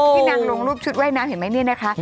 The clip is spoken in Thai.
ที่นักลงรูปชุดไวน้ำเห็นมั้ยเนี้ยนะคะ